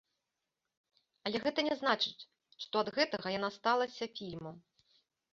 Але гэта не значыць, што ад гэтага яна сталася фільмам.